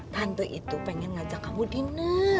tante itu pengen ngajak kamu dina